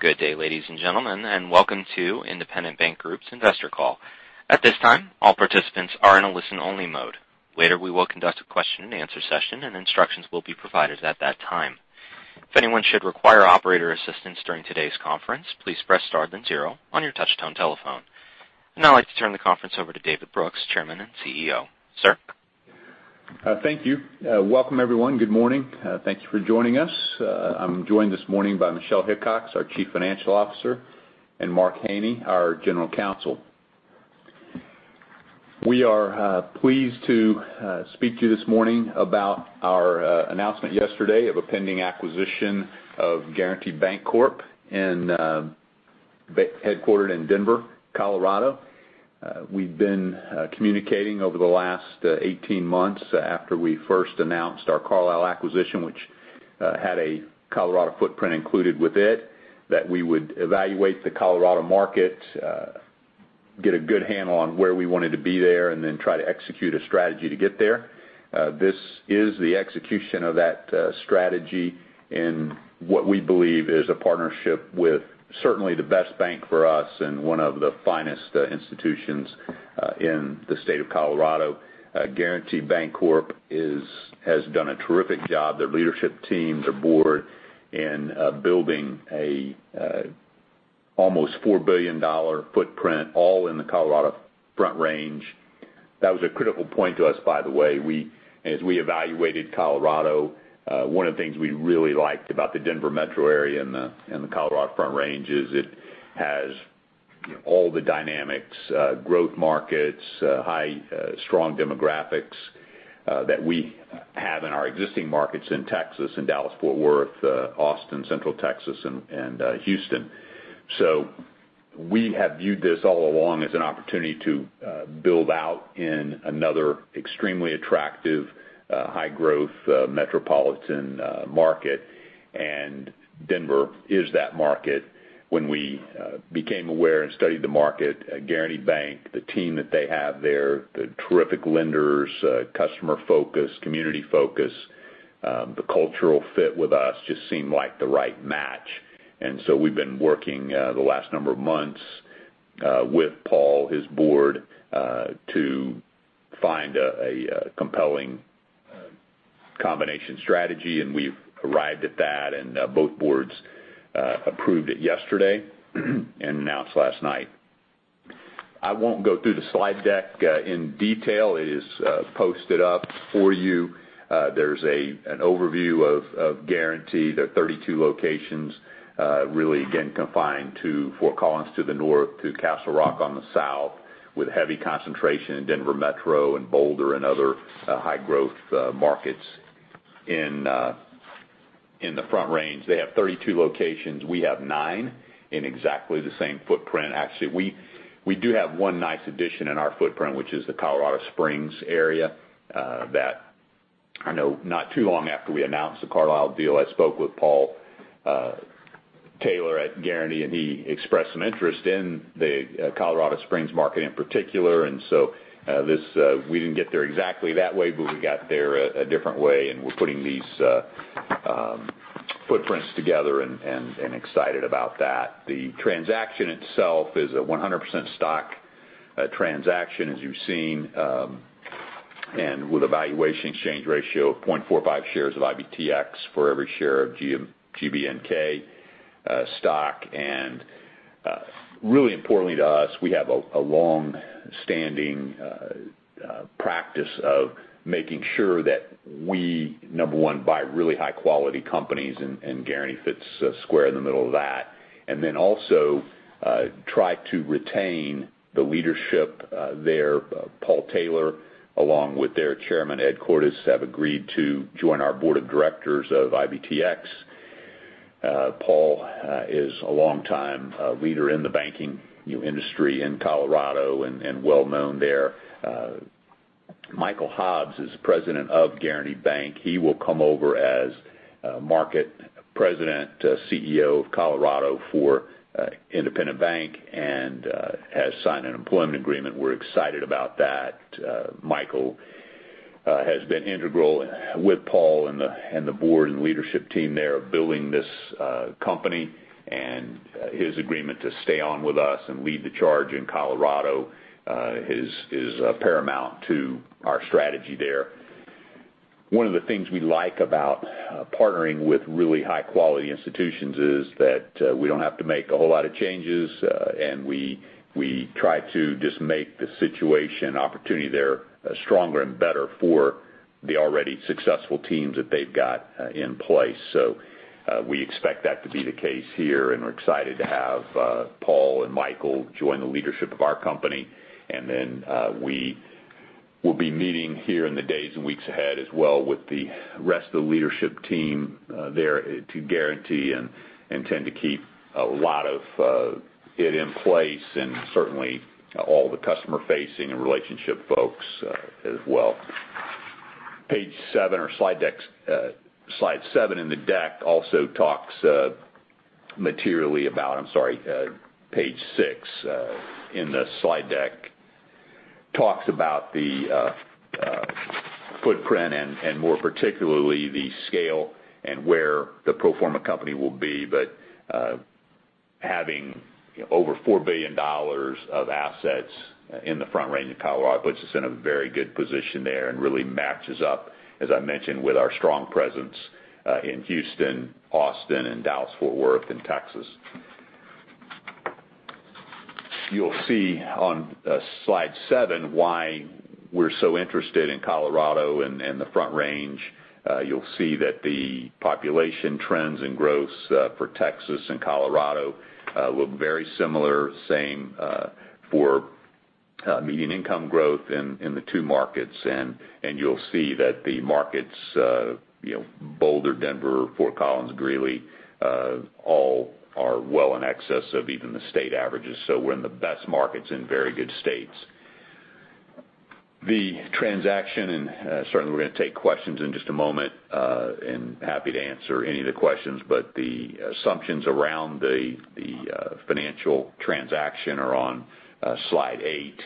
Good day, ladies and gentlemen. Welcome to Independent Bank Group's investor call. At this time, all participants are in a listen only mode. Later, we will conduct a question and answer session. Instructions will be provided at that time. If anyone should require operator assistance during today's conference, please press star then zero on your touchtone telephone. Now I'd like to turn the conference over to David Brooks, Chairman and CEO. Sir. Thank you. Welcome, everyone. Good morning. Thank you for joining us. I'm joined this morning by Michelle Hickox, our Chief Financial Officer, and Mark Haney, our General Counsel. We are pleased to speak to you this morning about our announcement yesterday of a pending acquisition of Guaranty Bancorp, headquartered in Denver, Colorado. We've been communicating over the last 18 months after we first announced our Carlile acquisition, which had a Colorado footprint included with it, that we would evaluate the Colorado market, get a good handle on where we wanted to be there. Then try to execute a strategy to get there. This is the execution of that strategy in what we believe is a partnership with certainly the best bank for us and one of the finest institutions in the state of Colorado. Guaranty Bancorp. has done a terrific job, their leadership team, their board, in building an almost $4 billion footprint, all in the Colorado Front Range. That was a critical point to us, by the way. As we evaluated Colorado, one of the things we really liked about the Denver metro area and the Colorado Front Range is it has all the dynamics, growth markets, high, strong demographics that we have in our existing markets in Texas, in Dallas-Fort Worth, Austin, Central Texas, Houston. We have viewed this all along as an opportunity to build out in another extremely attractive, high growth metropolitan market. Denver is that market. When we became aware and studied the market, Guaranty Bank, the team that they have there, the terrific lenders, customer focus, community focus, the cultural fit with us just seemed like the right match. We've been working the last number of months with Paul, his board, to find a compelling combination strategy. We've arrived at that. Both boards approved it yesterday and announced last night. I won't go through the slide deck in detail. It is posted up for you. There's an overview of Guaranty, their 32 locations, really, again, confined to Fort Collins to the north, to Castle Rock on the south, with heavy concentration in Denver metro and Boulder and other high-growth markets in the Front Range. They have 32 locations. We have nine in exactly the same footprint. Actually, we do have one nice addition in our footprint, which is the Colorado Springs area. I know not too long after we announced the Carlile deal, I spoke with Paul Taylor at Guaranty. He expressed some interest in the Colorado Springs market in particular. We didn't get there exactly that way, but we got there a different way, and we're putting these footprints together and excited about that. The transaction itself is a 100% stock transaction, as you've seen, with a valuation exchange ratio of 0.45 shares of IBTX for every share of GBNK stock. Really importantly to us, we have a long-standing practice of making sure that we, number one, buy really high-quality companies, and Guaranty fits square in the middle of that. Also try to retain the leadership there. Paul Taylor, along with their chairman, Ed Cordes, have agreed to join our board of directors of IBTX. Paul is a long time leader in the banking industry in Colorado and well-known there. Michael Hobbs is President of Guaranty Bank. He will come over as Market President, CEO of Colorado for Independent Bank and has signed an employment agreement. We're excited about that. Michael has been integral with Paul and the board and leadership team there of building this company. His agreement to stay on with us and lead the charge in Colorado is paramount to our strategy there. One of the things we like about partnering with really high-quality institutions is that we don't have to make a whole lot of changes, and we try to just make the situation, opportunity there, stronger and better for the already successful teams that they've got in place. We expect that to be the case here, and we're excited to have Paul and Michael join the leadership of our company. We will be meeting here in the days and weeks ahead as well with the rest of the leadership team there to Guaranty and intend to keep a lot of it in place and certainly all the customer-facing and relationship folks as well. Page seven or slide seven in the deck also talks materially about. Page six in the slide deck talks about the footprint and more particularly, the scale and where the pro forma company will be. Having over $4 billion of assets in the Front Range in Colorado puts us in a very good position there and really matches up, as I mentioned, with our strong presence in Houston, Austin, and Dallas-Fort Worth in Texas. You'll see on slide seven why we're so interested in Colorado and the Front Range. You'll see that the population trends and growths for Texas and Colorado look very similar. Same for median income growth in the two markets. You'll see that the markets, Boulder, Denver, Fort Collins, Greeley, all are well in excess of even the state averages. We're in the best markets in very good states. The transaction. Certainly we're going to take questions in just a moment, and happy to answer any of the questions, but the assumptions around the financial transaction are on slide eight.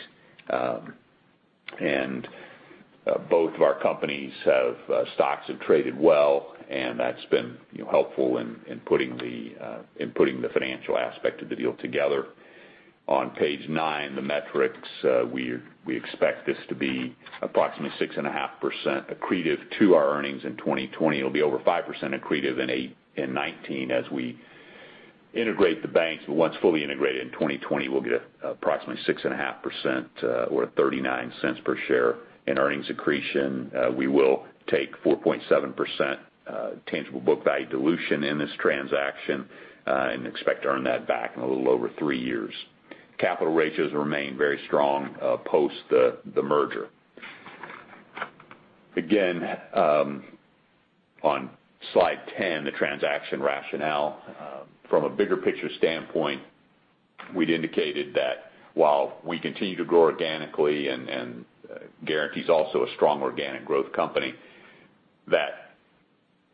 Both of our companies' stocks have traded well, and that's been helpful in putting the financial aspect of the deal together. On page nine, the metrics. We expect this to be approximately 6.5% accretive to our earnings in 2020. It'll be over 5% accretive in 2019 as we integrate the banks. Once fully integrated in 2020, we'll get approximately 6.5% or $0.39 per share in earnings accretion. We will take 4.7% tangible book value dilution in this transaction and expect to earn that back in a little over 3 years. Capital ratios remain very strong post the merger. Again, on slide 10, the transaction rationale. From a bigger picture standpoint, we'd indicated that while we continue to grow organically, and Guaranty's also a strong organic growth company, that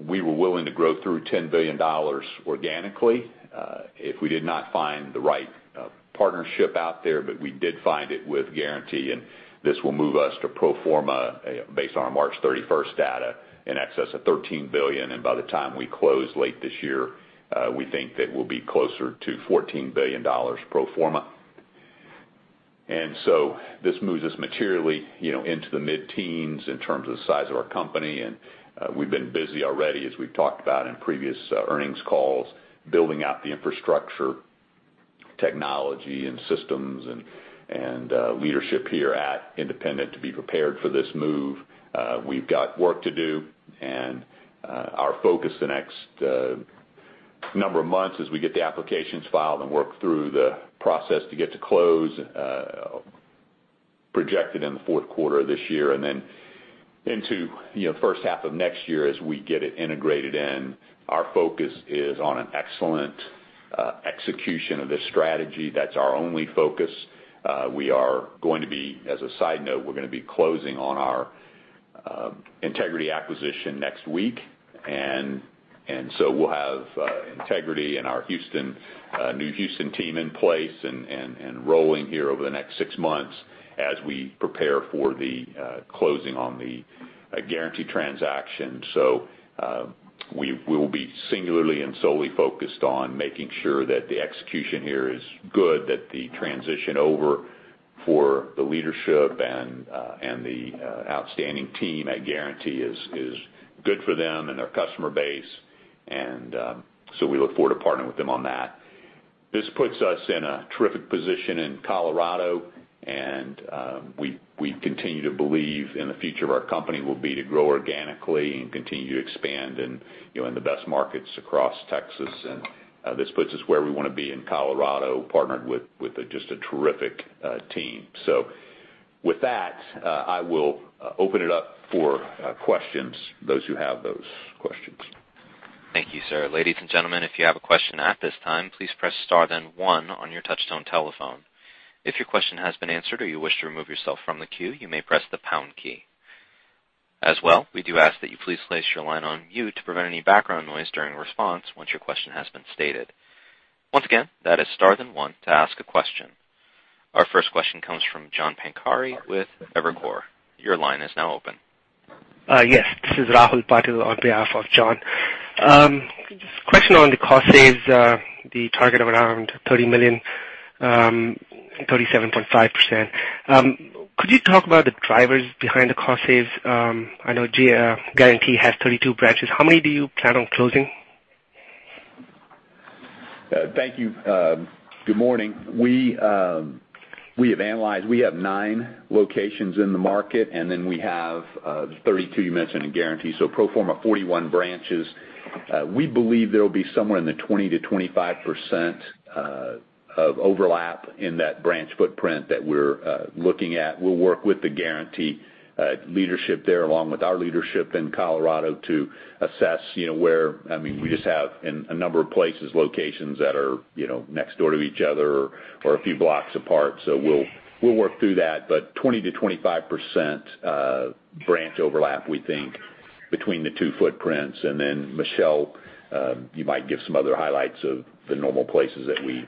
we were willing to grow through $10 billion organically if we did not find the right partnership out there. We did find it with Guaranty, and this will move us to pro forma based on our March 31st data, in excess of $13 billion. By the time we close late this year, we think that we'll be closer to $14 billion pro forma. This moves us materially into the mid-teens in terms of the size of our company. We've been busy already, as we've talked about in previous earnings calls, building out the infrastructure, technology and systems, and leadership here at Independent to be prepared for this move. We've got work to do, and our focus the next number of months as we get the applications filed and work through the process to get to close, projected in the fourth quarter of this year. Then into first half of next year as we get it integrated in, our focus is on an excellent execution of this strategy. That's our only focus. As a side note, we're going to be closing on our Integrity acquisition next week. We'll have Integrity and our new Houston team in place and rolling here over the next 6 months as we prepare for the closing on the Guaranty transaction. We will be singularly and solely focused on making sure that the execution here is good, that the transition over for the leadership and the outstanding team at Guaranty is good for them and their customer base. We look forward to partnering with them on that. This puts us in a terrific position in Colorado, and we continue to believe in the future of our company will be to grow organically and continue to expand in the best markets across Texas. This puts us where we want to be in Colorado, partnered with just a terrific team. With that, I will open it up for questions, those who have those questions. Thank you, sir. Ladies and gentlemen, if you have a question at this time, please press star then one on your touchtone telephone. If your question has been answered or you wish to remove yourself from the queue, you may press the pound key. We do ask that you please place your line on mute to prevent any background noise during response once your question has been stated. Once again, that is star then one to ask a question. Our first question comes from John Pancari with Evercore. Your line is now open. Yes. This is Rahul Patil on behalf of John. Question on the cost saves, the target of around $30 million, 37.5%. Could you talk about the drivers behind the cost saves? I know Guaranty has 32 branches. How many do you plan on closing? Thank you. Good morning. We have analyzed. We have nine locations in the market, then we have 32 you mentioned in Guaranty. Pro forma 41 branches. We believe there'll be somewhere in the 20%-25% of overlap in that branch footprint that we're looking at. We'll work with the Guaranty leadership there, along with our leadership in Colorado, to assess. We just have, in a number of places, locations that are next door to each other or a few blocks apart. We'll work through that. 20%-25% branch overlap, we think between the two footprints. Michelle, you might give some other highlights of the normal places that we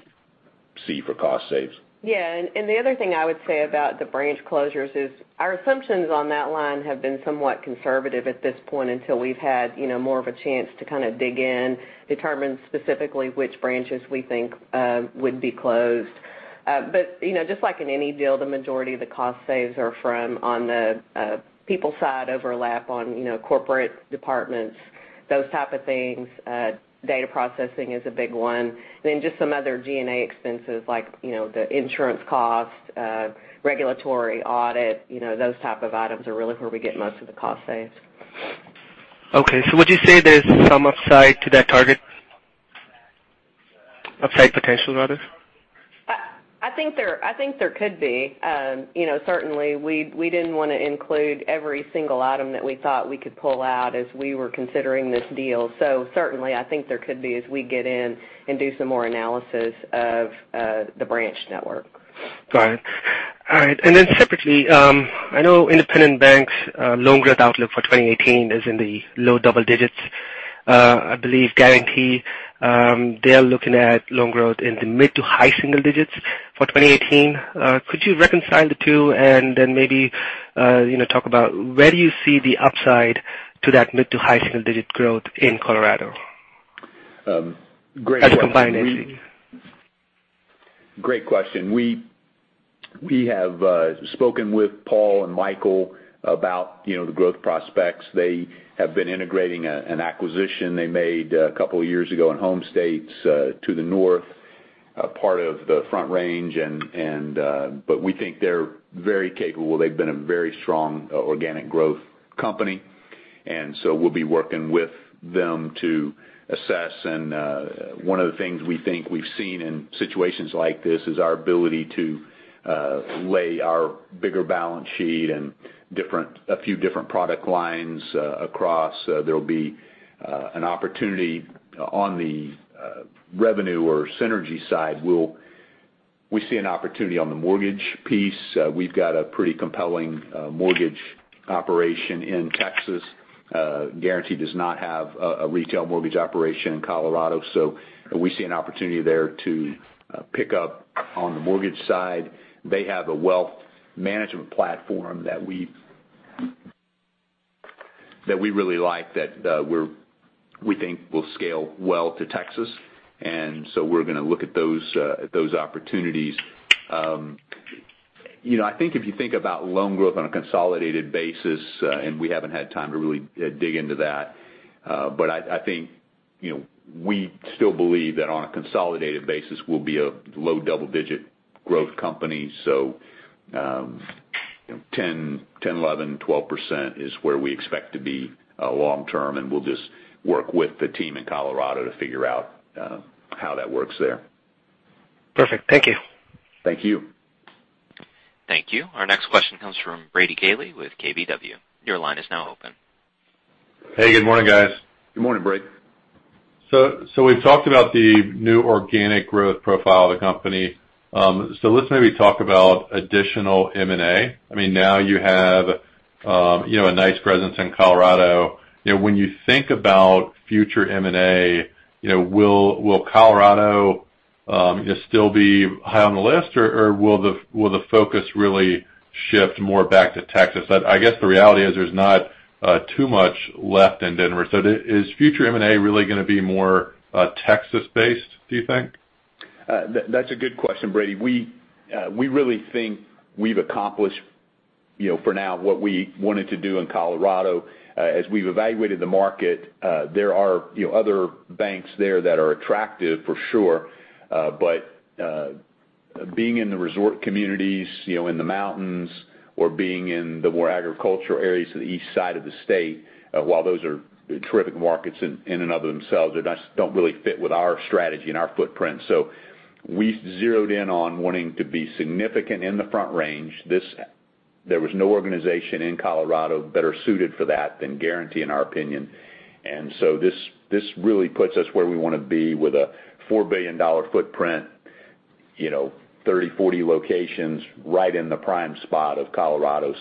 see for cost saves. Yeah. The other thing I would say about the branch closures is our assumptions on that line have been somewhat conservative at this point until we've had more of a chance to kind of dig in, determine specifically which branches we think would be closed. Just like in any deal, the majority of the cost saves are from on the people side, overlap on corporate departments, those type of things. Data processing is a big one. Just some other G&A expenses like the insurance costs, regulatory audit, those type of items are really where we get most of the cost saves. Okay, would you say there's some upside to that target? Upside potential, rather? I think there could be. Certainly, we didn't want to include every single item that we thought we could pull out as we were considering this deal. Certainly, I think there could be, as we get in and do some more analysis of the branch network. Got it. All right. Separately, I know Independent Bank's loan growth outlook for 2018 is in the low double digits. I believe Guaranty, they're looking at loan growth in the mid to high single digits for 2018. Could you reconcile the two and then maybe talk about where do you see the upside to that mid to high single-digit growth in Colorado? Great question. As a combined entity. Great question. We have spoken with Paul and Michael about the growth prospects. They have been integrating an acquisition they made a couple of years ago in Home State Bank to the north part of the Front Range. We think they're very capable. They've been a very strong organic growth company, we'll be working with them to assess. One of the things we think we've seen in situations like this is our ability to lay our bigger balance sheet and a few different product lines across. There'll be an opportunity on the revenue or synergy side. We see an opportunity on the mortgage piece. We've got a pretty compelling mortgage operation in Texas. Guaranty does not have a retail mortgage operation in Colorado, so we see an opportunity there to pick up on the mortgage side. They have a wealth management platform that we really like, that we think will scale well to Texas, we're going to look at those opportunities. I think if you think about loan growth on a consolidated basis, we haven't had time to really dig into that, I think we still believe that on a consolidated basis, we'll be a low double-digit growth company. 10%, 11%, 12% is where we expect to be long term, and we'll just work with the team in Colorado to figure out how that works there. Perfect. Thank you. Thank you. Thank you. Our next question comes from Brady Gailey with KBW. Your line is now open. Hey, good morning, guys. Good morning, Brady. We've talked about the new organic growth profile of the company. Let's maybe talk about additional M&A. You have a nice presence in Colorado. When you think about future M&A, will Colorado still be high on the list, or will the focus really shift more back to Texas? I guess the reality is there's not too much left in Denver. Is future M&A really going to be more Texas based, do you think? That's a good question, Brady. We really think we've accomplished for now what we wanted to do in Colorado. As we've evaluated the market, there are other banks there that are attractive for sure. Being in the resort communities, in the mountains, or being in the more agricultural areas to the east side of the state, while those are terrific markets in and of themselves, they just don't really fit with our strategy and our footprint. We zeroed in on wanting to be significant in the Front Range. There was no organization in Colorado better suited for that than Guaranty, in our opinion. This really puts us where we want to be with a $4 billion footprint, 30, 40 locations right in the prime spot of Colorado.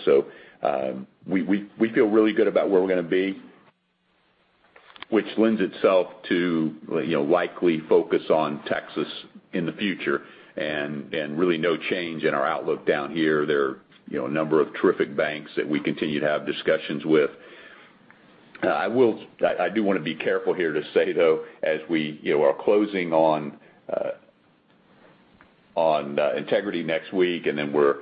We feel really good about where we're going to be, which lends itself to likely focus on Texas in the future and really no change in our outlook down here. There are a number of terrific banks that we continue to have discussions with. I do want to be careful here to say, though, as we are closing in on Integrity next week, and then we're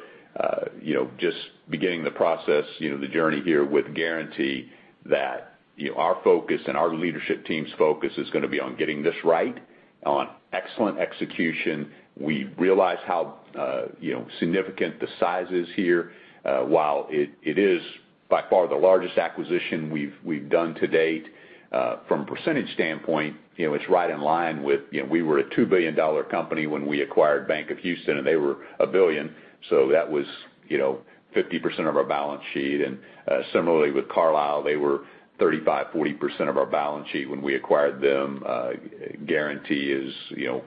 just beginning the process, the journey here with Guaranty, that our focus and our leadership team's focus is going to be on getting this right, on excellent execution. We realize how significant the size is here. While it is by far the largest acquisition we've done to date, from a percentage standpoint, it's right in line with-- we were a $2 billion company when we acquired Bank of Houston, and they were $1 billion, so that was 50% of our balance sheet. Similarly with Carlile, they were 35%-40% of our balance sheet when we acquired them. Guaranty is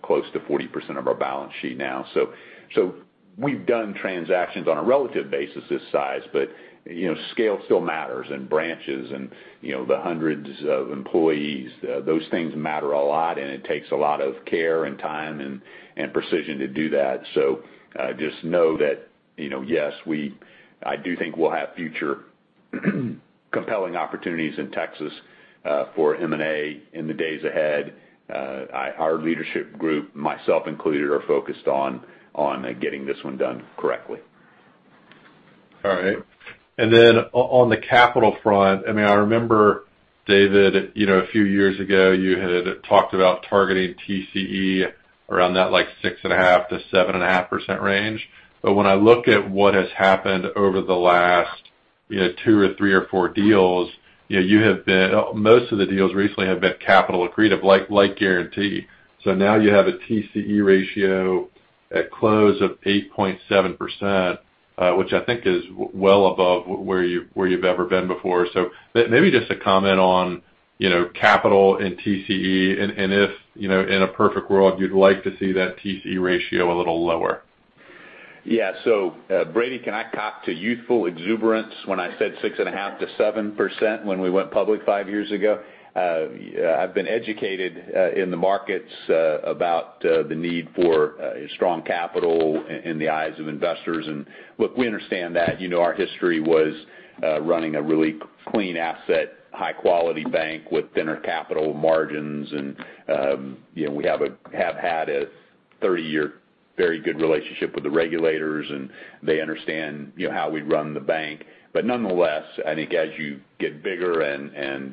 close to 40% of our balance sheet now. We've done transactions on a relative basis this size, but scale still matters in branches and the hundreds of employees. Those things matter a lot, and it takes a lot of care and time and precision to do that. Just know that, yes, I do think we'll have future compelling opportunities in Texas for M&A in the days ahead. Our leadership group, myself included, are focused on getting this one done correctly. All right. On the capital front, I remember, David, a few years ago you had talked about targeting TCE around that 6.5%-7.5% range. When I look at what has happened over the last two or three or four deals, most of the deals recently have been capital accretive, like Guaranty. Now you have a TCE ratio at close of 8.7%, which I think is well above where you've ever been before. Maybe just a comment on capital and TCE and if, in a perfect world, you'd like to see that TCE ratio a little lower. Brady, can I cop to youthful exuberance when I said 6.5%-7% when we went public five years ago? I've been educated in the markets about the need for strong capital in the eyes of investors. Look, we understand that. Our history was running a really clean asset, high-quality bank with thinner capital margins. We have had a 30-year very good relationship with the regulators, and they understand how we run the bank. Nonetheless, I think as you get bigger and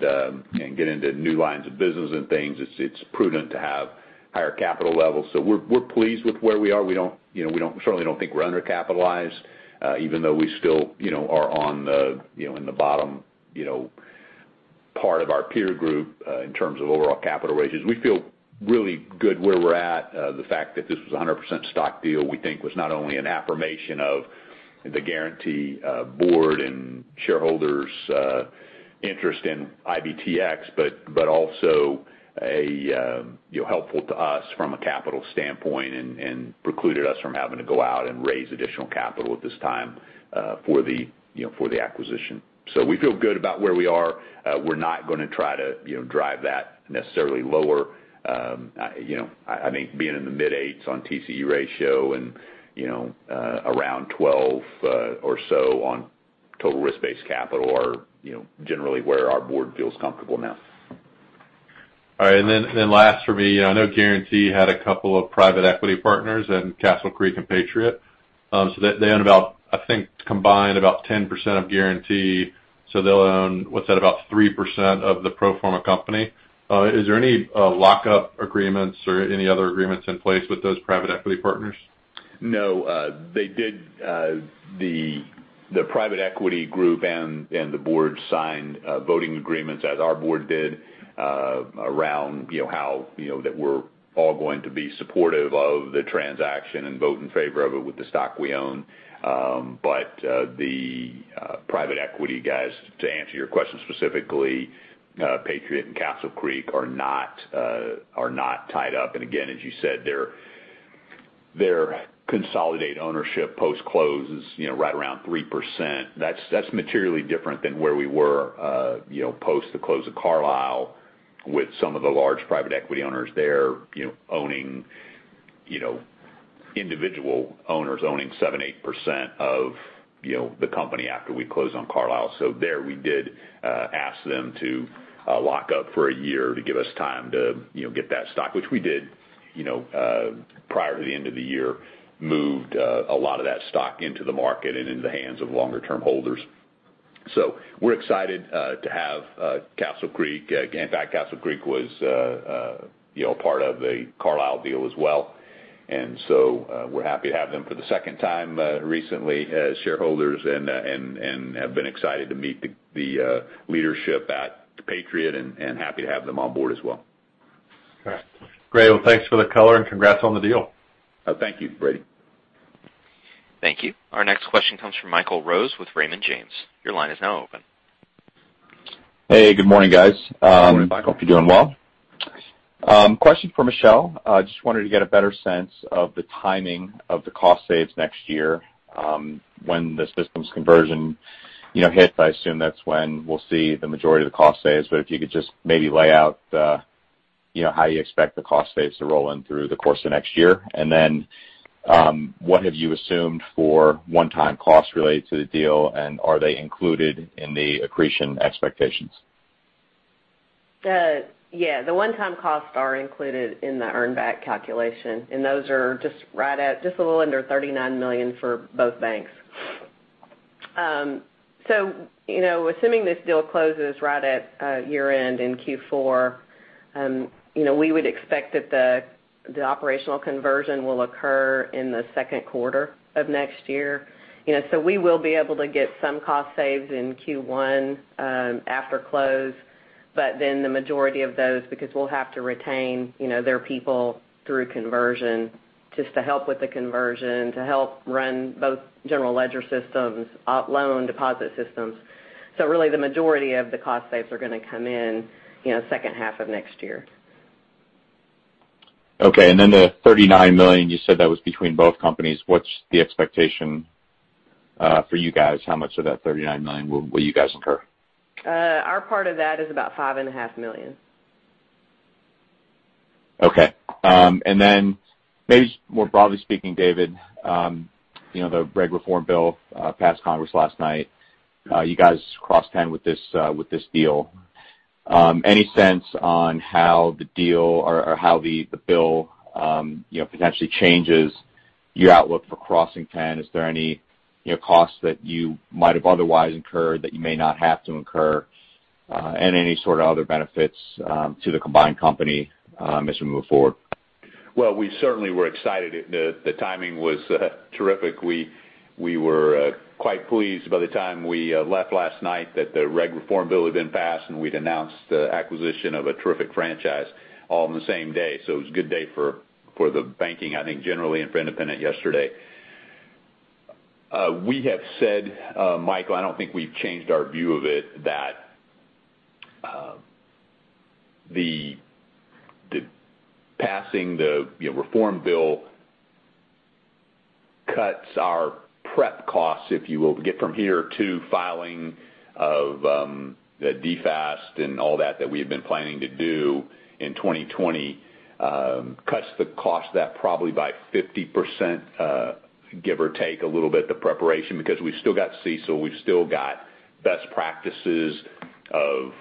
get into new lines of business and things, it's prudent to have higher capital levels. We're pleased with where we are. We certainly don't think we're undercapitalized, even though we still are in the bottom part of our peer group in terms of overall capital ratios. We feel really good where we're at. The fact that this was a 100% stock deal, we think, was not only an affirmation of the Guaranty board and shareholders' interest in IBTX, but also helpful to us from a capital standpoint and precluded us from having to go out and raise additional capital at this time for the acquisition. We feel good about where we are. We're not going to try to drive that necessarily lower. I think being in the mid eights on TCE ratio and around 12 or so on total risk-based capital are generally where our board feels comfortable now. All right. Last for me. I know Guaranty had a couple of private equity partners in Castle Creek and Patriot. They own about, I think, combined, about 10% of Guaranty. They'll own, what's that, about 3% of the pro forma company. Is there any lockup agreements or any other agreements in place with those private equity partners? No. The private equity group and the board signed voting agreements, as our board did, around that we're all going to be supportive of the transaction and vote in favor of it with the stock we own. The private equity guys, to answer your question specifically, Patriot and Castle Creek are not tied up. Again, as you said, their consolidated ownership post-close is right around 3%. That's materially different than where we were post the close of Carlile with some of the large private equity owners there, individual owners owning 7%-8% of the company after we closed on Carlile. There, we did ask them to lock up for a year to give us time to get that stock, which we did prior to the end of the year, moved a lot of that stock into the market and into the hands of longer-term holders. We're excited to have Castle Creek. In fact, Castle Creek was part of the Carlile deal as well. We're happy to have them for the second time recently as shareholders and have been excited to meet the leadership at Patriot and happy to have them on board as well. Got it. Great. Thanks for the color and congrats on the deal. Thank you, Brady. Thank you. Our next question comes from Michael Rose with Raymond James. Your line is now open. Hey, good morning, guys. Good morning, Michael. Hope you're doing well. Question for Michelle. Just wanted to get a better sense of the timing of the cost saves next year when the systems conversion hits. I assume that's when we'll see the majority of the cost saves. If you could just maybe lay out how you expect the cost saves to roll in through the course of next year. What have you assumed for one-time costs related to the deal, and are they included in the accretion expectations? Yeah. The one-time costs are included in the earn back calculation, and those are just a little under $39 million for both banks. Assuming this deal closes right at year-end in Q4, we would expect that the operational conversion will occur in the second quarter of next year. We will be able to get some cost saves in Q1 after close, the majority of those, because we'll have to retain their people through conversion just to help with the conversion, to help run both general ledger systems, loan deposit systems. Really, the majority of the cost saves are going to come in second half of next year. Okay. The $39 million, you said that was between both companies. What's the expectation for you guys? How much of that $39 million will you guys incur? Our part of that is about $5.5 million. Okay. Maybe more broadly speaking, David, the reg reform bill passed Congress last night. You guys crossed 10 with this deal. Any sense on how the deal or how the bill potentially changes your outlook for crossing 10? Is there any cost that you might have otherwise incurred that you may not have to incur? Any sort of other benefits to the combined company as we move forward? Well, we certainly were excited. The timing was terrific. We were quite pleased by the time we left last night that the reg reform bill had been passed, and we'd announced the acquisition of a terrific franchise all on the same day. It was a good day for the banking, I think, generally and for Independent yesterday. We have said, Michael, I don't think we've changed our view of it, that passing the reform bill cuts our prep costs, if you will, to get from here to filing of the DFAST and all that we had been planning to do in 2020. Cuts the cost of that probably by 50%, give or take a little bit, the preparation because we've still got CECL, we've still got best practices of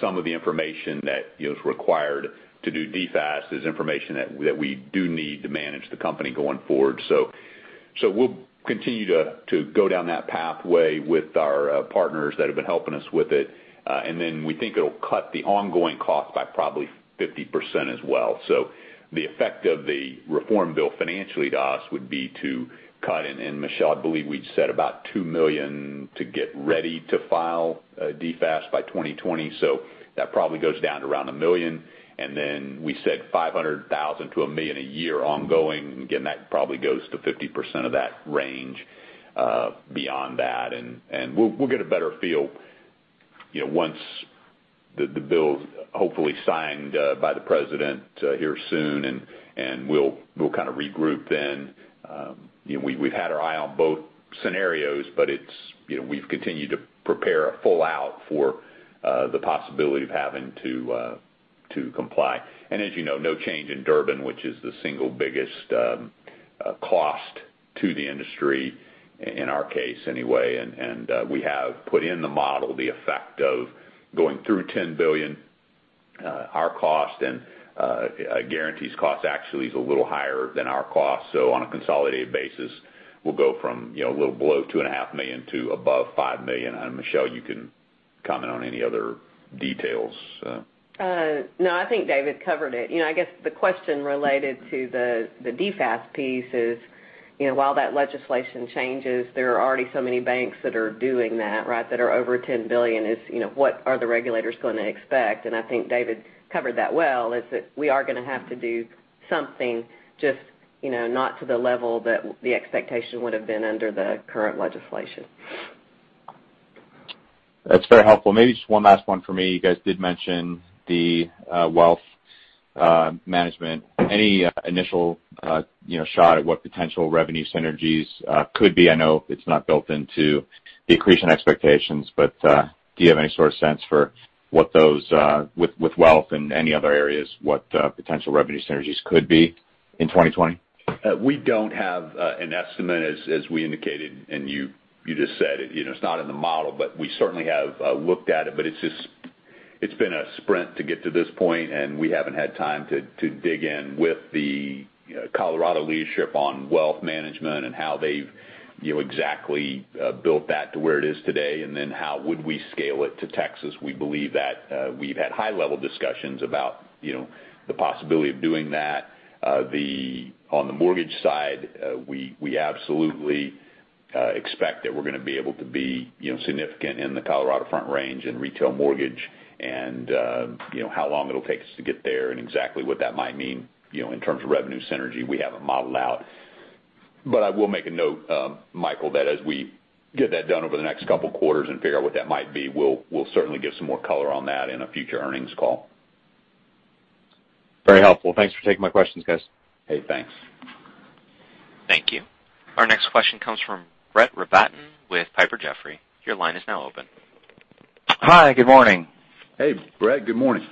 some of the information that is required to do DFAST. There's information that we do need to manage the company going forward. We'll continue to go down that pathway with our partners that have been helping us with it. We think it'll cut the ongoing cost by probably 50% as well. The effect of the reform bill financially to us would be to cut, and Michelle Hickox, I believe we'd said about $2 million to get ready to file DFAST by 2020. That probably goes down to around $1 million. We said $500,000 to $1 million a year ongoing. Again, that probably goes to 50% of that range beyond that. We'll get a better feel once the bill is hopefully signed by the president here soon, and we'll kind of regroup then. We've had our eye on both scenarios, but we've continued to prepare a full-out for the possibility of having to comply. As you know, no change in Durbin, which is the single biggest cost to the industry, in our case anyway. We have put in the model the effect of going through $10 billion, our cost, and Guaranty's cost actually is a little higher than our cost. On a consolidated basis, we'll go from a little below $2.5 million to above $5 million. Michelle Hickox, you can comment on any other details. I think David Brooks covered it. I guess the question related to the DFAST piece is, while that legislation changes, there are already so many banks that are doing that are over $10 billion. What are the regulators going to expect? I think David Brooks covered that well, is that we are going to have to do something just not to the level that the expectation would've been under the current legislation. That's very helpful. Maybe just one last one for me. You guys did mention the wealth management. Any initial shot at what potential revenue synergies could be? I know it's not built into the accretion expectations, but do you have any sort of sense for what those, with wealth and any other areas, what potential revenue synergies could be in 2020? We don't have an estimate, as we indicated, and you just said. It's not in the model. We certainly have looked at it. It's been a sprint to get to this point, and we haven't had time to dig in with the Colorado leadership on wealth management and how they've exactly built that to where it is today, and then how would we scale it to Texas. We believe that we've had high-level discussions about the possibility of doing that. On the mortgage side, we absolutely expect that we're going to be able to be significant in the Colorado Front Range in retail mortgage and how long it'll take us to get there and exactly what that might mean in terms of revenue synergy, we have it modeled out. I will make a note, Michael, that as we get that done over the next couple of quarters and figure out what that might be, we'll certainly give some more color on that in a future earnings call. Very helpful. Thanks for taking my questions, guys. Hey, thanks. Thank you. Our next question comes from Brett Rabatin with Piper Jaffray. Your line is now open. Hi, good morning. Hey, Brett. Good morning.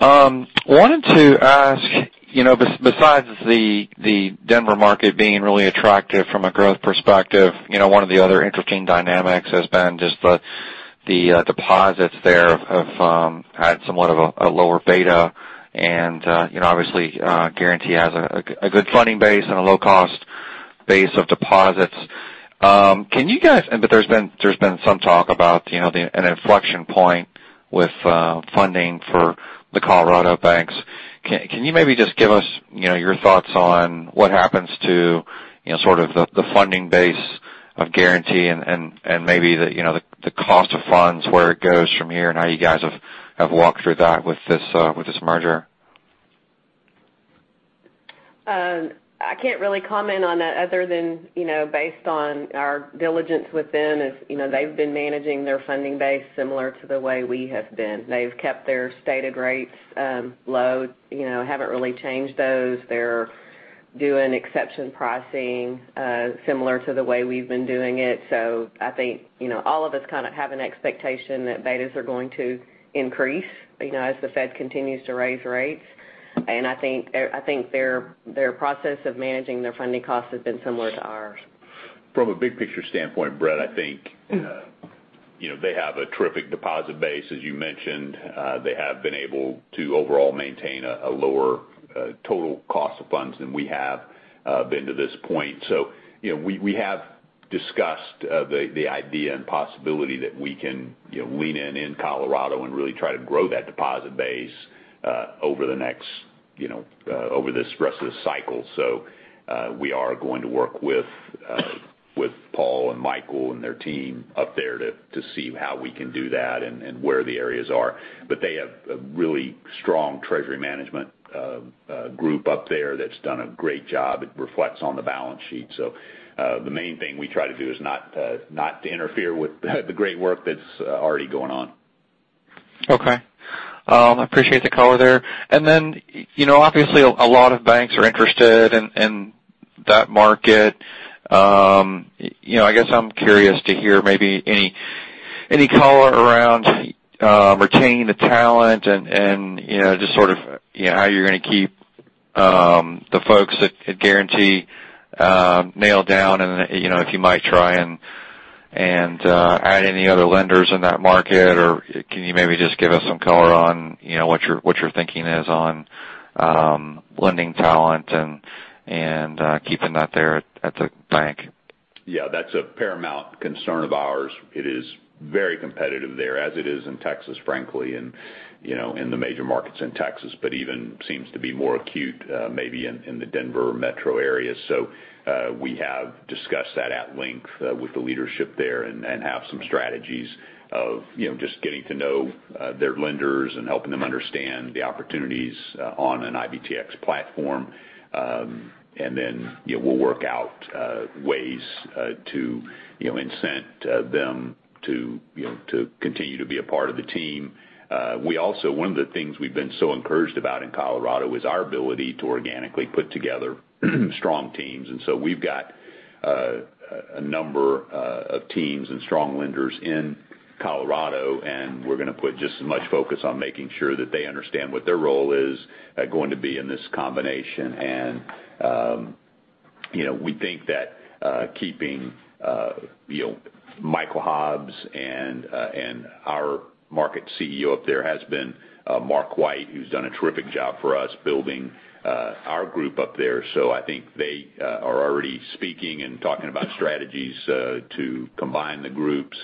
Wanted to ask, besides the Denver market being really attractive from a growth perspective, one of the other interesting dynamics has been just the deposits there have had somewhat of a lower beta. Obviously Guaranty has a good funding base and a low-cost base of deposits. There's been some talk about an inflection point with funding for the Colorado banks. Can you maybe just give us your thoughts on what happens to sort of the funding base of Guaranty and maybe the cost of funds, where it goes from here and how you guys have walked through that with this merger? I can't really comment on that other than based on our diligence with them, as they've been managing their funding base similar to the way we have been. They've kept their stated rates low, haven't really changed those. They're doing exception pricing, similar to the way we've been doing it. I think all of us kind of have an expectation that betas are going to increase as the Fed continues to raise rates. I think their process of managing their funding costs has been similar to ours. From a big-picture standpoint, Brett, I think they have a terrific deposit base, as you mentioned. They have been able to overall maintain a lower total cost of funds than we have been to this point. We have discussed the idea and possibility that we can lean in in Colorado and really try to grow that deposit base over the rest of this cycle. We are going to work with Paul and Michael and their team up there to see how we can do that and where the areas are. They have a really strong treasury management group up there that's done a great job. It reflects on the balance sheet. The main thing we try to do is not to interfere with the great work that's already going on. Okay. I appreciate the color there. Obviously a lot of banks are interested in that market. I guess I'm curious to hear maybe any color around retaining the talent and just sort of how you're going to keep the folks at Guaranty nailed down and if you might try and add any other lenders in that market, or can you maybe just give us some color on what your thinking is on lending talent and keeping that there at the bank? Yeah, that's a paramount concern of ours. It is very competitive there, as it is in Texas, frankly, in the major markets in Texas, but even seems to be more acute, maybe in the Denver metro area. We have discussed that at length with the leadership there and have some strategies of just getting to know their lenders and helping them understand the opportunities on an IBTX platform. We'll work out ways to incent them to continue to be a part of the team. One of the things we've been so encouraged about in Colorado is our ability to organically put together strong teams. We've got a number of teams and strong lenders in Colorado, and we're going to put just as much focus on making sure that they understand what their role is going to be in this combination. We think that keeping Michael Hobbs and our market CEO up there has been Mark White, who's done a terrific job for us building our group up there. I think they are already speaking and talking about strategies to combine the groups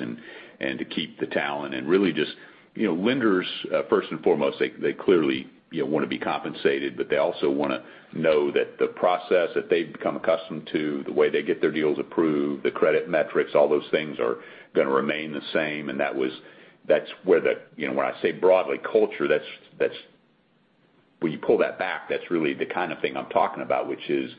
and to keep the talent. Really just lenders, first and foremost, they clearly want to be compensated, but they also want to know that the process that they've become accustomed to, the way they get their deals approved, the credit metrics, all those things are going to remain the same. When I say broadly culture, when you pull that back, that's really the kind of thing I'm talking about, which is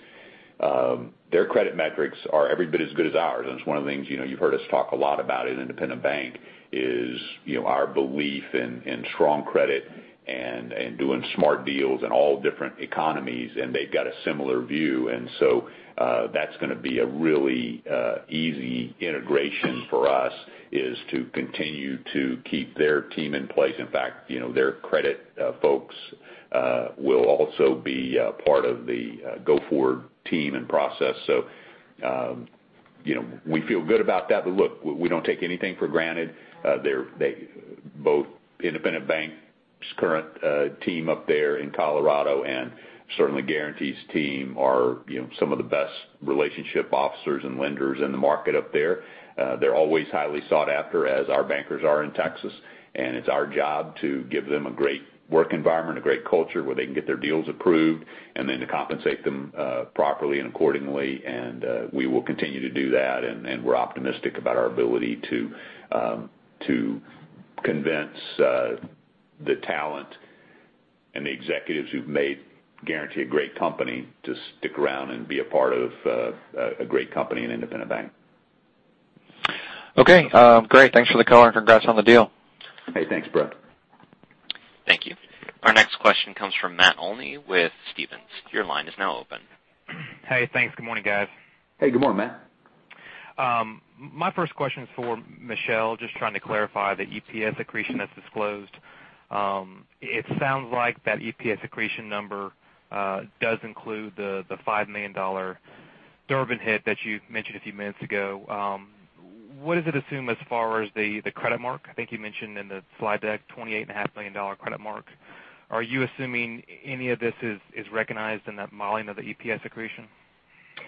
their credit metrics are every bit as good as ours. It's one of the things you've heard us talk a lot about at Independent Bank is our belief in strong credit and doing smart deals in all different economies, and they've got a similar view. That's going to be a really easy integration for us, is to continue to keep their team in place. In fact, their credit folks will also be part of the go-forward team and process. We feel good about that. Look, we don't take anything for granted. Both Independent Bank's current team up there in Colorado and certainly Guaranty's team are some of the best relationship officers and lenders in the market up there. They're always highly sought after, as our bankers are in Texas. It's our job to give them a great work environment, a great culture where they can get their deals approved, and then to compensate them properly and accordingly, and we will continue to do that. We're optimistic about our ability to convince the talent and the executives who've made Guaranty a great company to stick around and be a part of a great company in Independent Bank. Okay, great. Thanks for the color and congrats on the deal. Hey, thanks, Brett. Thank you. Our next question comes from Matt Olney with Stephens. Your line is now open. Hey, thanks. Good morning, guys. Hey, good morning, Matt. My first question is for Michelle, just trying to clarify the EPS accretion that is disclosed. It sounds like that EPS accretion number does include the $5 million Durbin hit that you mentioned a few minutes ago. What does it assume as far as the credit mark? I think you mentioned in the slide deck, $28.5 million credit mark. Are you assuming any of this is recognized in that modeling of the EPS accretion?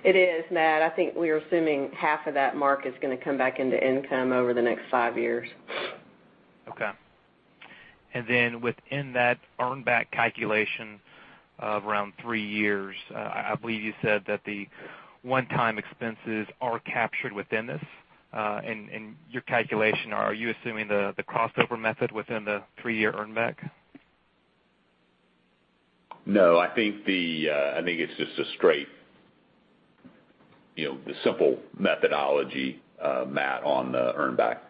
It is, Matt. I think we are assuming half of that mark is going to come back into income over the next five years. Okay. Within that earn back calculation of around three years, I believe you said that the one-time expenses are captured within this? In your calculation, are you assuming the crossover method within the three-year earn back? No, I think it is just a straight, simple methodology, Matt, on the earn back.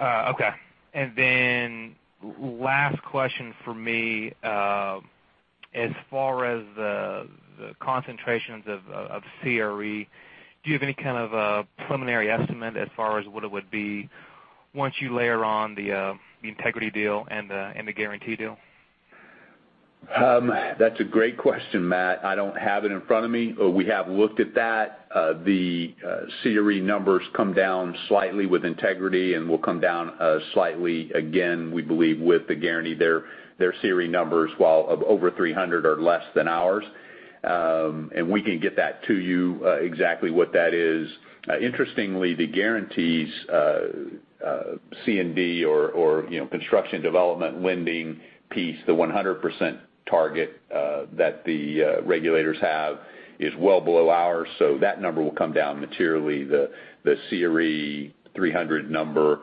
Okay. Then last question for me. As far as the concentrations of CRE, do you have any kind of a preliminary estimate as far as what it would be once you layer on the Integrity deal and the Guaranty deal? That's a great question, Matt. I don't have it in front of me. We have looked at that. The CRE numbers come down slightly with Integrity and will come down slightly again, we believe, with the Guaranty. Their CRE numbers, while of over 300, are less than ours. We can get that to you, exactly what that is. Interestingly, the Guaranty's C&D or construction development lending piece, the 100% target that the regulators have is well below ours. That number will come down materially. The CRE 300 number,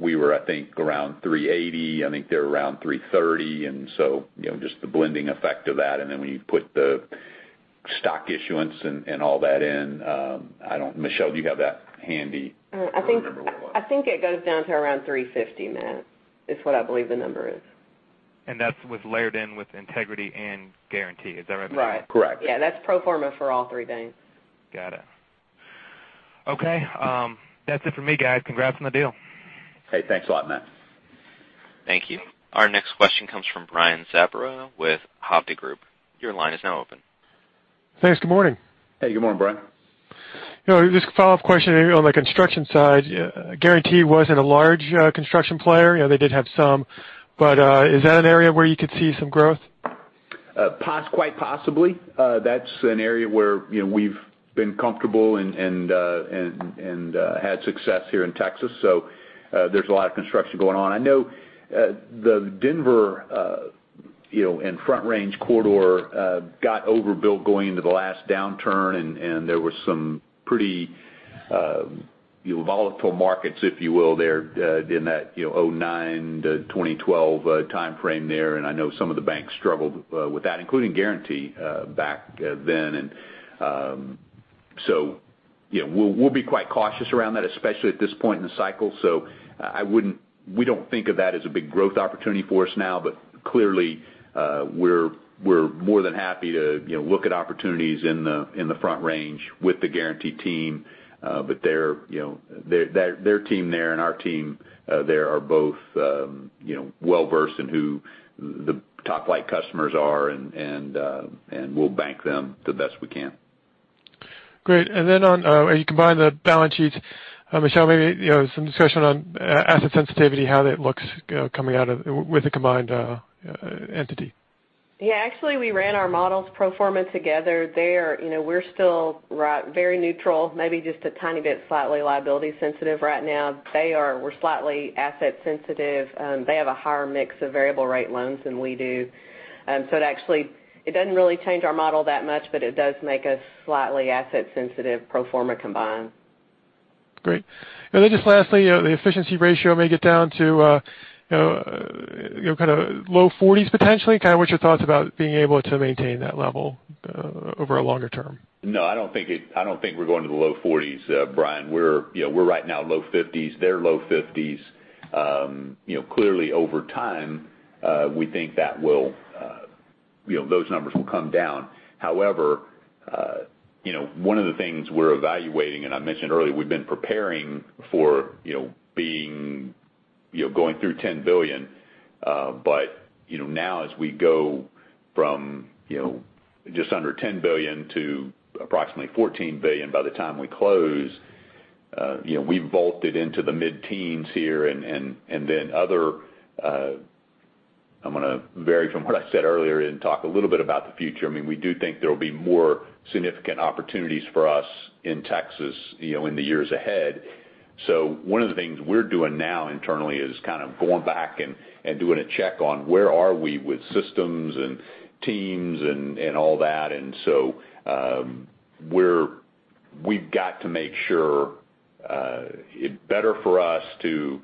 we were, I think, around 380. I think they're around 330, just the blending effect of that. Then when you put the stock issuance and all that in, Michelle, do you have that handy? I think it goes down to around 350, Matt, is what I believe the number is. That's with layered in with Integrity and Guaranty. Is that right? Right. Correct. Yeah, that's pro forma for all three banks. Got it. Okay, that's it for me, guys. Congrats on the deal. Hey, thanks a lot, Matt. Thank you. Our next question comes from Brian Zabora with Hovde Group. Your line is now open. Thanks. Good morning. Hey, good morning, Brian. Just a follow-up question on the construction side. Guaranty wasn't a large construction player. They did have some, but is that an area where you could see some growth? Quite possibly. That's an area where we've been comfortable and had success here in Texas. There's a lot of construction going on. I know the Denver and Front Range corridor got overbuilt going into the last downturn, and there were some pretty volatile markets, if you will, there in that 2009-2012 timeframe there. I know some of the banks struggled with that, including Guaranty back then. We'll be quite cautious around that, especially at this point in the cycle. We don't think of that as a big growth opportunity for us now. Clearly, we're more than happy to look at opportunities in the Front Range with the Guaranty team. Their team there and our team there are both well-versed in who the top-line customers are, and we'll bank them the best we can. Great. When you combine the balance sheets, Michelle, maybe some discussion on asset sensitivity, how that looks coming out with a combined entity. Actually, we ran our models pro forma together. We're still very neutral, maybe just a tiny bit slightly liability sensitive right now. We're slightly asset sensitive. They have a higher mix of variable rate loans than we do. It doesn't really change our model that much, but it does make us slightly asset sensitive pro forma combined. Great. Just lastly, the efficiency ratio may get down to kind of low 40s potentially. What's your thoughts about being able to maintain that level over a longer term? No, I don't think we're going to the low 40s, Brian. We're right now low 50s. They're low 50s. Clearly, over time, we think those numbers will come down. However, one of the things we're evaluating, and I mentioned earlier, we've been preparing for going through $10 billion. Now as we go from just under $10 billion to approximately $14 billion by the time we close, we vaulted into the mid-10s here. I'm going to vary from what I said earlier and talk a little bit about the future. We do think there will be more significant opportunities for us in Texas in the years ahead. One of the things we're doing now internally is kind of going back and doing a check on where are we with systems and teams and all that. We've got to make sure it's better for us to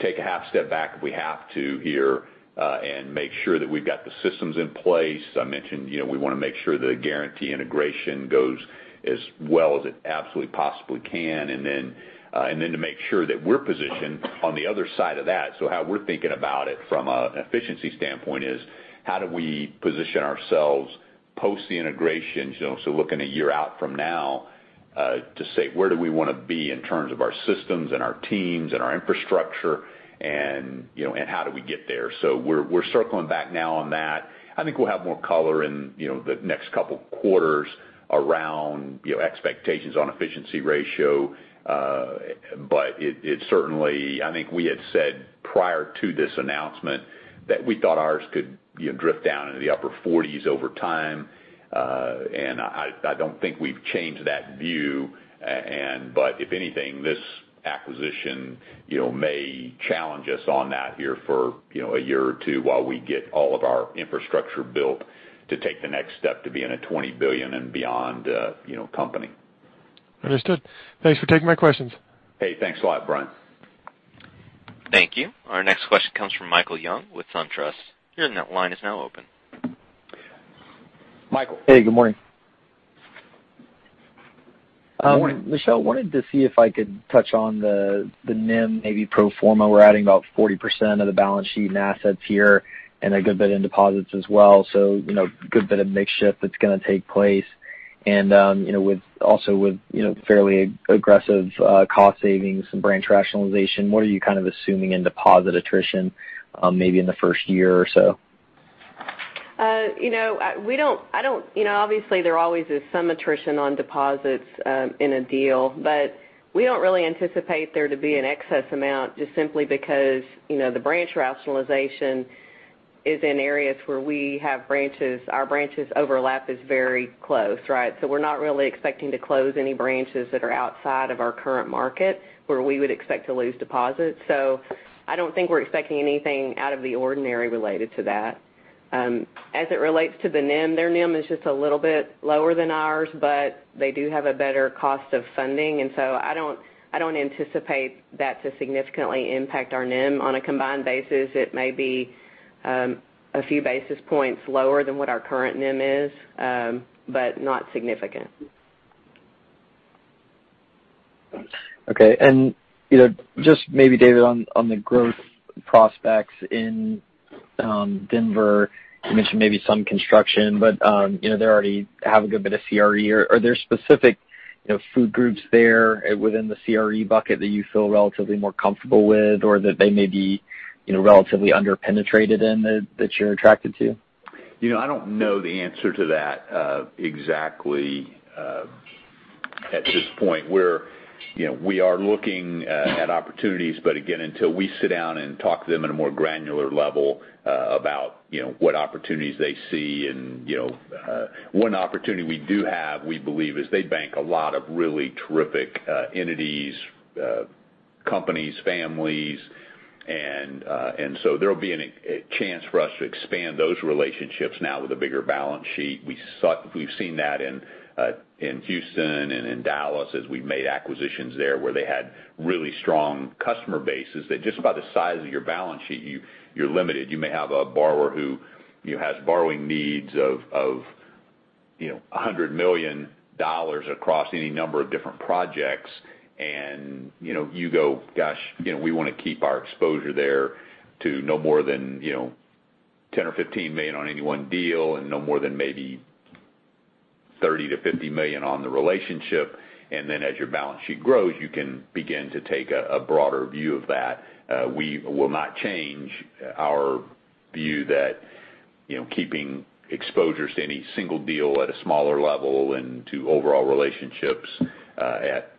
take a half step back if we have to here and make sure that we've got the systems in place. As I mentioned, we want to make sure the Guaranty integration goes as well as it absolutely possibly can. To make sure that we're positioned on the other side of that. How we're thinking about it from an efficiency standpoint is how do we position ourselves post the integration? Looking a year out from now to say, where do we want to be in terms of our systems and our teams and our infrastructure and how do we get there? We're circling back now on that. I think we'll have more color in the next couple of quarters around expectations on efficiency ratio. It certainly, I think we had said prior to this announcement that we thought ours could drift down into the upper forties over time. I don't think we've changed that view. If anything, this acquisition may challenge us on that here for a year or two while we get all of our infrastructure built to take the next step to being a $20 billion and beyond company. Understood. Thanks for taking my questions. Hey, thanks a lot, Brian. Thank you. Our next question comes from Michael Young with SunTrust. Your line is now open. Michael? Hey, good morning. Good morning. Michelle, wanted to see if I could touch on the NIM, maybe pro forma. We're adding about 40% of the balance sheet and assets here, and a good bit in deposits as well. Good bit of mix shift that's going to take place. Also with fairly aggressive cost savings and branch rationalization, what are you assuming in deposit attrition maybe in the first year or so? Obviously, there always is some attrition on deposits in a deal. We don't really anticipate there to be an excess amount, just simply because the branch rationalization is in areas where we have branches. Our branches overlap is very close, right? We're not really expecting to close any branches that are outside of our current market, where we would expect to lose deposits. I don't think we're expecting anything out of the ordinary related to that. As it relates to the NIM, their NIM is just a little bit lower than ours, but they do have a better cost of funding. I don't anticipate that to significantly impact our NIM. On a combined basis, it may be a few basis points lower than what our current NIM is, but not significant. Okay. Just maybe, David, on the growth prospects in Denver, you mentioned maybe some construction, but they already have a good bit of CRE or are there specific food groups there within the CRE bucket that you feel relatively more comfortable with or that they may be relatively under-penetrated in that you're attracted to? I don't know the answer to that exactly at this point, where we are looking at opportunities. Again, until we sit down and talk to them at a more granular level about what opportunities they see and one opportunity we do have, we believe, is they bank a lot of really terrific entities, companies, families. There'll be a chance for us to expand those relationships now with a bigger balance sheet. We've seen that in Houston and in Dallas as we've made acquisitions there where they had really strong customer bases. That just by the size of your balance sheet, you're limited. You may have a borrower who has borrowing needs of $100 million across any number of different projects, and you go, "Gosh, we want to keep our exposure there to no more than $10 million or $15 million on any one deal and no more than maybe $30 million to $50 million on the relationship." As your balance sheet grows, you can begin to take a broader view of that. We will not change our view that keeping exposures to any single deal at a smaller level and to overall relationships at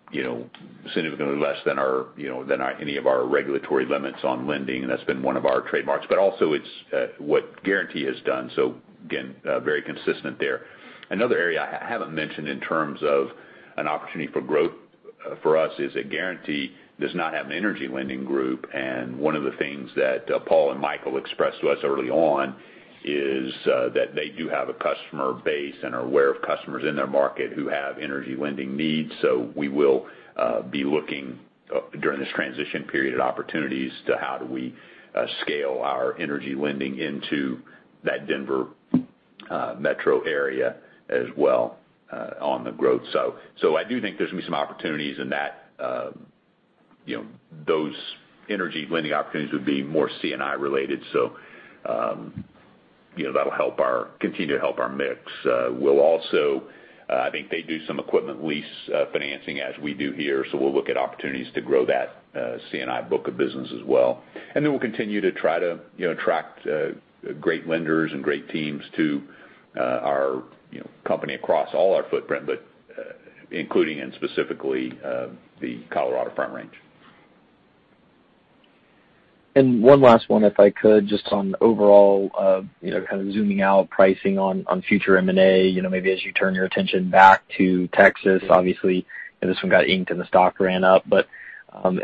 significantly less than any of our regulatory limits on lending, and that's been one of our trademarks. Also it's what Guaranty has done. Again, very consistent there. Another area I haven't mentioned in terms of an opportunity for growth for us is that Guaranty does not have an energy lending group. One of the things that Paul and Michael expressed to us early on is that they do have a customer base and are aware of customers in their market who have energy lending needs. We will be looking during this transition period at opportunities to how do we scale our energy lending into that Denver metro area as well on the growth side. I do think there's going to be some opportunities in that. Those energy lending opportunities would be more C&I related. That'll continue to help our mix. I think they do some equipment lease financing as we do here, so we'll look at opportunities to grow that C&I book of business as well. We'll continue to try to attract great lenders and great teams to our company across all our footprint, but including and specifically the Colorado Front Range. One last one, if I could, just on overall kind of zooming out pricing on future M&A. Maybe as you turn your attention back to Texas, obviously, this one got inked and the stock ran up.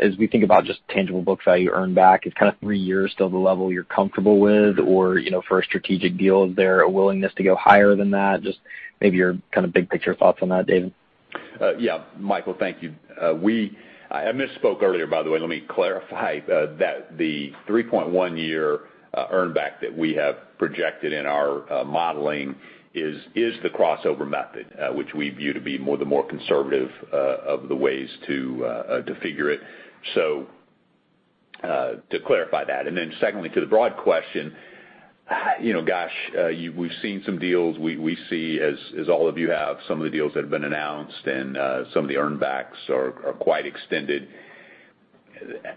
As we think about just tangible book value earn back, is kind of three years still the level you're comfortable with? For a strategic deal, is there a willingness to go higher than that? Just maybe your kind of big-picture thoughts on that, David. Yeah. Michael, thank you. I misspoke earlier, by the way. Let me clarify that the 3.1-year earn back that we have projected in our modeling is the crossover method, which we view to be the more conservative of the ways to figure it. To clarify that. Secondly, to the broad question, gosh, we've seen some deals. We see, as all of you have, some of the deals that have been announced and some of the earn backs are quite extended.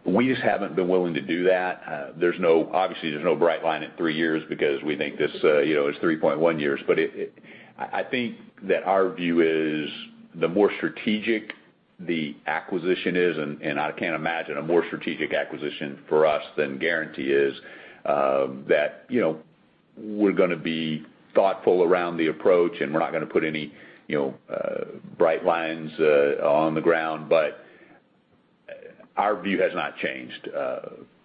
We just haven't been willing to do that. Obviously, there's no bright line at three years because we think this is 3.1 years. I think that our view is the more strategic the acquisition is, and I can't imagine a more strategic acquisition for us than Guaranty is, that we're going to be thoughtful around the approach and we're not going to put any bright lines on the ground. Our view has not changed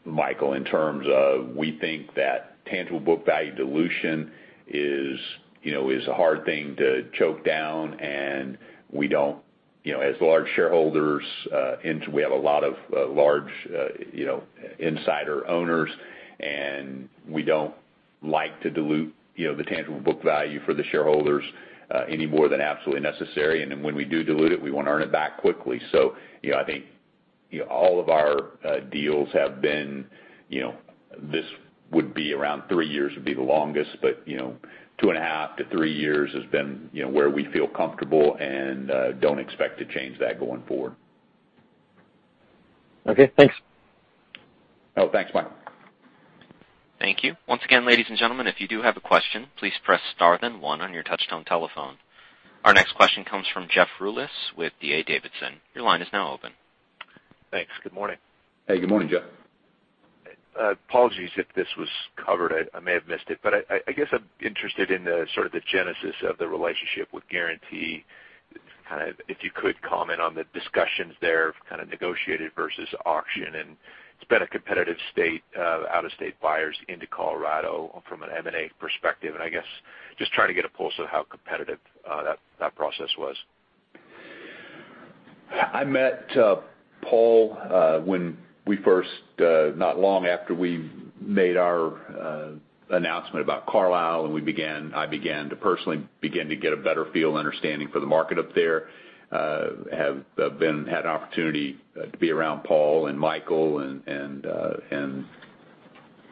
Michael, in terms of we think that tangible book value dilution is a hard thing to choke down. As large shareholders, we have a lot of large insider owners, and we don't like to dilute the tangible book value for the shareholders any more than absolutely necessary. When we do dilute it, we want to earn it back quickly. I think all of our deals have been, this would be around three years would be the longest, but two and a half to three years has been where we feel comfortable, and don't expect to change that going forward. Okay, thanks. Thanks, Michael. Thank you. Once again, ladies and gentlemen, if you do have a question, please press star, then one on your touchtone telephone. Our next question comes from Jeff Rulis with D.A. Davidson. Your line is now open. Thanks. Good morning. Hey, good morning, Jeff. Apologies if this was covered. I may have missed it, but I guess I'm interested in the genesis of the relationship with Guaranty. If you could comment on the discussions there, kind of negotiated versus auction. It's been a competitive state, out-of-state buyers into Colorado from an M&A perspective. I guess, just trying to get a pulse of how competitive that process was. I met Paul not long after we made our announcement about Carlile, I began to personally begin to get a better feel and understanding for the market up there. Have had an opportunity to be around Paul and Michael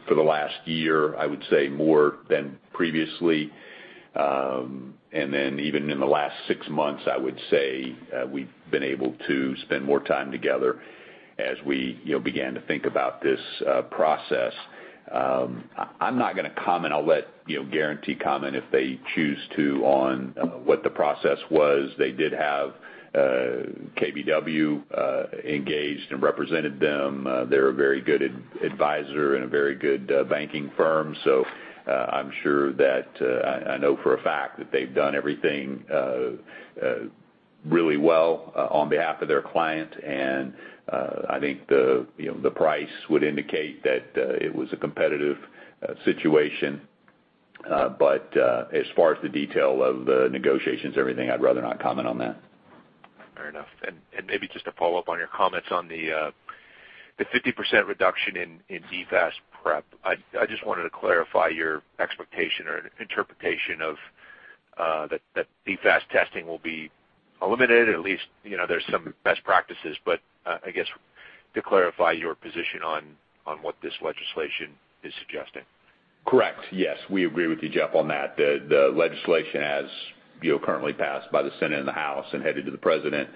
for the last year, I would say more than previously. Even in the last six months, I would say we've been able to spend more time together as we began to think about this process. I'm not going to comment. I'll let Guaranty comment if they choose to, on what the process was. They did have KBW engaged and represented them. They're a very good advisor and a very good banking firm. I know for a fact that they've done everything really well on behalf of their client, and I think the price would indicate that it was a competitive situation. As far as the detail of the negotiations and everything, I'd rather not comment on that. Fair enough. Maybe just to follow up on your comments on the 50% reduction in DFAST prep. I just wanted to clarify your expectation or interpretation of that DFAST testing will be eliminated. At least, there's some best practices, but, I guess, to clarify your position on what this legislation is suggesting. Correct. Yes, we agree with you, Jeff, on that. The legislation, as currently passed by the Senate and the House and headed to the president,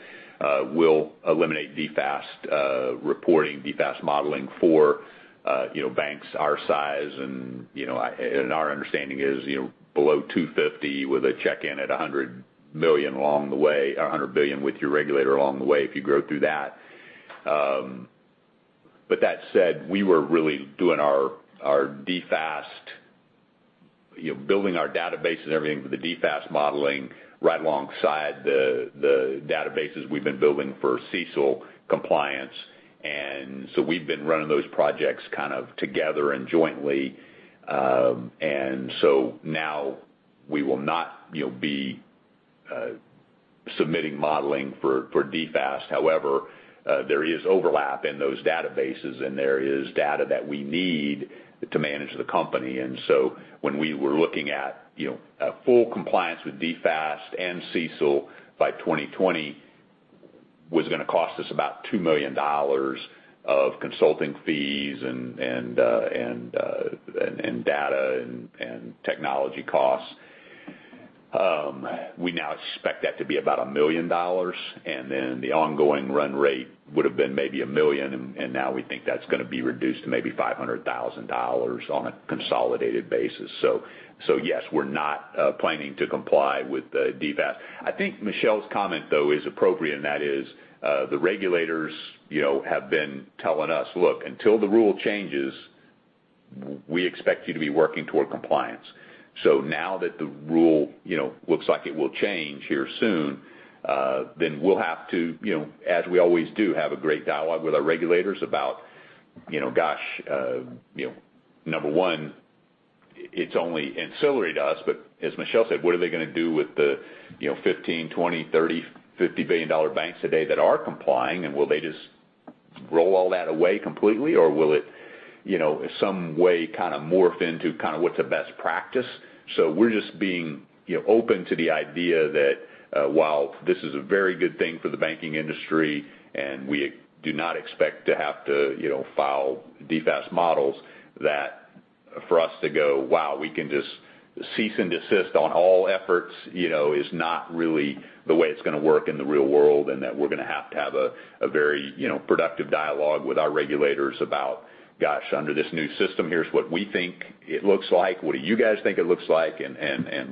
will eliminate DFAST reporting, DFAST modeling for banks our size. Our understanding is below 250, with a check-in at $100 billion with your regulator along the way if you grow through that. That said, we were really doing our DFAST, building our database and everything for the DFAST modeling right alongside the databases we've been building for CECL compliance. We've been running those projects kind of together and jointly. Now we will not be submitting modeling for DFAST. However, there is overlap in those databases, and there is data that we need to manage the company. When we were looking at full compliance with DFAST and CECL by 2020 was going to cost us about $2 million of consulting fees and data and technology costs. We now expect that to be about $1 million, and then the ongoing run rate would've been maybe $1 million, and now we think that's going to be reduced to maybe $500,000 on a consolidated basis. Yes, we're not planning to comply with DFAST. I think Michelle's comment, though, is appropriate, and that is the regulators have been telling us, "Look, until the rule changes, we expect you to be working toward compliance." Now that the rule looks like it will change here soon, we'll have to, as we always do, have a great dialogue with our regulators about, gosh, number one, it's only ancillary to us, but as Michelle said, what are they going to do with the $15 billion, $20 billion, $30 billion, $50 billion banks today that are complying? Will they just roll all that away completely, or will it some way kind of morph into kind of what's a best practice? We're just being open to the idea that while this is a very good thing for the banking industry, and we do not expect to have to file DFAST models, that for us to go, "Wow, we can just cease and desist on all efforts," is not really the way it's going to work in the real world. That we're going to have to have a very productive dialogue with our regulators about, gosh, under this new system, here's what we think it looks like. What do you guys think it looks like?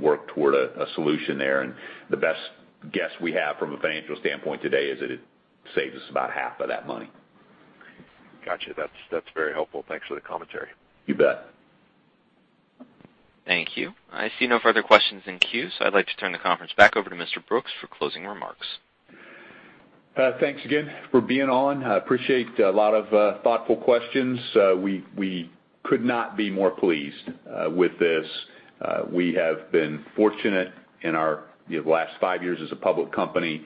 Work toward a solution there. The best guess we have from a financial standpoint today is that it saves us about half of that money. Got you. That's very helpful. Thanks for the commentary. You bet. Thank you. I see no further questions in queues. I'd like to turn the conference back over to Mr. Brooks for closing remarks. Thanks again for being on. I appreciate a lot of thoughtful questions. We could not be more pleased with this. We have been fortunate in our last five years as a public company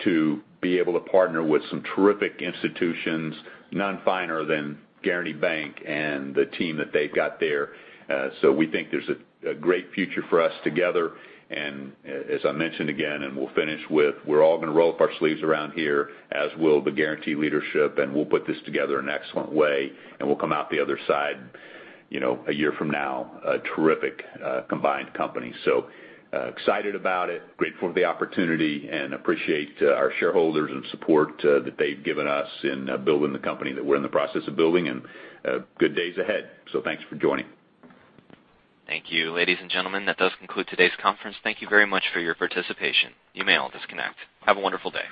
to be able to partner with some terrific institutions, none finer than Guaranty Bank and the team that they've got there. We think there's a great future for us together. As I mentioned again, and we'll finish with, we're all going to roll up our sleeves around here, as will the Guaranty leadership, and we'll put this together in an excellent way. We'll come out the other side a year from now a terrific combined company. Excited about it, grateful for the opportunity, and appreciate our shareholders and support that they've given us in building the company that we're in the process of building, and good days ahead. Thanks for joining. Thank you. Ladies and gentlemen, that does conclude today's conference. Thank you very much for your participation. You may all disconnect. Have a wonderful day.